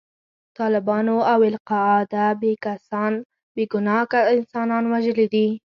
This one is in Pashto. طالبانو او القاعده بې ګناه انسانان وژلي دي.